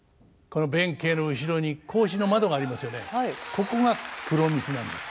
ここが黒御簾なんです。